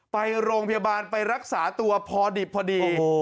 ไปโรงพยาบาลไปรักษาตัวพอดิบพอดี